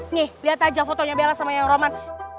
nih liat aja fotonya bella sama yaya roman